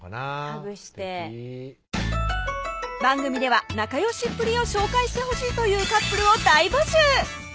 ハグして番組では仲よしっぷりを紹介してほしいというカップルを大募集！